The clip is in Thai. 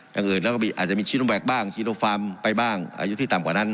อย่างอื่นแล้วก็อาจจะมีชีโนแวคบ้างชีโนฟาร์มไปบ้างอายุที่ต่ำกว่านั้น